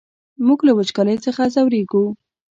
موږ له وچکالۍ څخه ځوريږو!